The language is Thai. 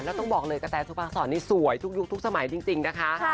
แล้วต้องบอกเลยกระแตสุภาษรนี่สวยทุกยุคทุกสมัยจริงนะคะ